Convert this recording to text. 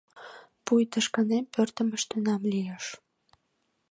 Пуйто шканем пӧртым ыштенам, лиеш.